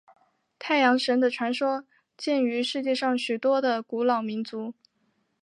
太阳神的传说见于世界上许多的古老民族。